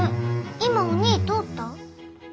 今おにぃ通った？